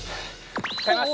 買います！